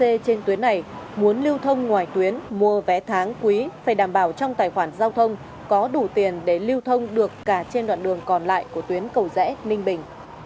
xe trên tuyến này muốn lưu thông ngoài tuyến mua vé tháng quý phải đảm bảo trong tài khoản giao thông có đủ tiền để lưu thông được cả trên đoạn đường còn lại của tuyến cầu rẽ ninh bình